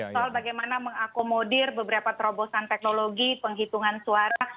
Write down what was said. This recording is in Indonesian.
soal bagaimana mengakomodir beberapa terobosan teknologi penghitungan suara